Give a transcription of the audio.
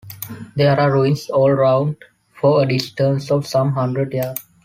There are ruins all round for a distance of some hundred yards.